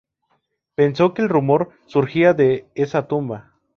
Pensó que el rumor surgía de esa tumba.